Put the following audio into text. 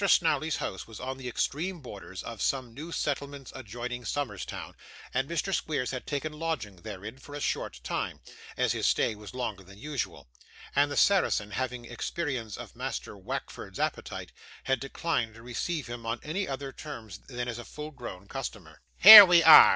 Snawley's house was on the extreme borders of some new settlements adjoining Somers Town, and Mr. Squeers had taken lodgings therein for a short time, as his stay was longer than usual, and the Saracen, having experience of Master Wackford's appetite, had declined to receive him on any other terms than as a full grown customer. 'Here we are!